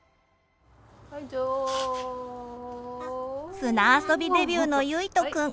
砂遊びデビューのゆいとくん。